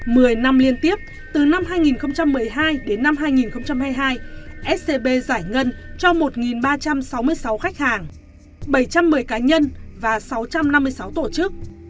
mười năm liên tiếp từ năm hai nghìn một mươi hai đến năm hai nghìn hai mươi hai scb giải ngân cho một ba trăm sáu mươi sáu khách hàng bảy trăm một mươi cá nhân và sáu trăm năm mươi sáu tổ chức